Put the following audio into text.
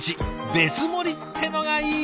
別盛りってのがいいですよね。